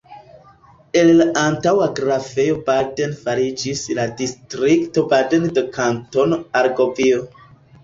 El la antaŭa Grafejo Baden fariĝis la distrikto Baden de Kantono Argovio.